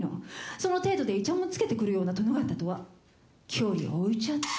その程度でいちゃもんつけて来るような殿方とは距離置いちゃって。